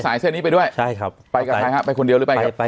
สายเส้นนี้ไปด้วยใช่ครับไปกับใครครับไปคนเดียวหรือไป